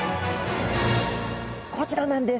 こちらなんです！